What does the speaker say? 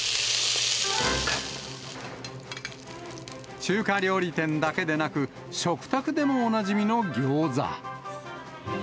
中華料理店だけでなく、食卓でもおなじみのギョーザ。